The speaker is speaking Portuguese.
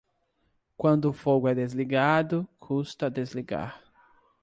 Quando o fogo é desligado, custa desligar.